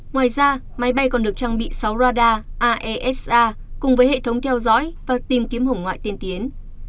ngoài ra máy bay còn được trang bị sáu radar ae sa cùng với hệ thống theo dõi và tìm kiếm hổng ngoại tiên tiến